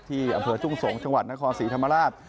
อำเภอทุ่งสงศ์จังหวัดนครศรีธรรมราช